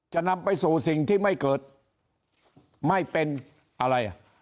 จะนำไปสู่สิ่งที่ไม่เกิดไม่เป็นอะไรอ่ะ